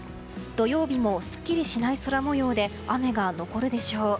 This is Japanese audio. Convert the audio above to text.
土曜日もすっきりしない空模様で雨が残るでしょう。